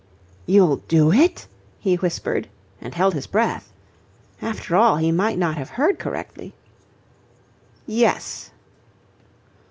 "You'll do it?" he whispered, and held his breath. After all he might not have heard correctly. "Yes."